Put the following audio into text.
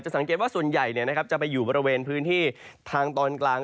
จะสังเกตว่าส่วนใหญ่เนี่ยนะครับจะไปอยู่บริเวณพื้นที่ทางตอนกลาง